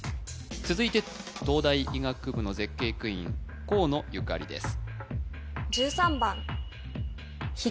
続いて東大医学部の絶景クイーン河野ゆかりです